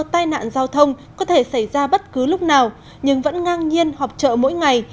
tai nạn giao thông có thể xảy ra bất cứ lúc nào nhưng vẫn ngang nhiên họp chợ mỗi ngày